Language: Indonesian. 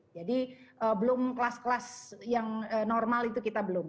jadi belum kelas kelas yang normal itu kita belum